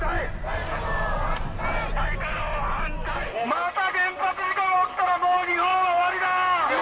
また原発事故が起きたらもう日本は終わりだ！